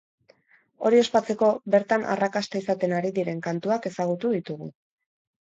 Hori ospatzeko, bertan arrakasta izaten ari diren kantuak ezagutu ditugu.